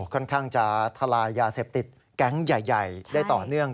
ค่อนข้างจะทลายยาเสพติดแก๊งใหญ่ได้ต่อเนื่อง